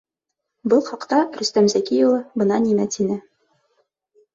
Был хаҡта Рөстәм Зәки улы бына нимә тине: